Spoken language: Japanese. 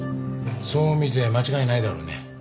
そう見て間違いないだろうね。